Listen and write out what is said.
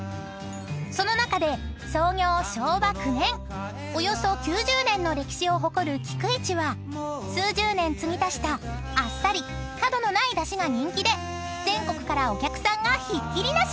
［その中で創業昭和９年およそ９０年の歴史を誇る「菊一」は数十年つぎ足したあっさり角のないだしが人気で全国からお客さんがひっきりなし］